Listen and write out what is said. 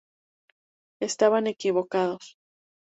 Estaban equivocados.